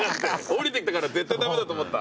下りてきたから絶対駄目だと思った。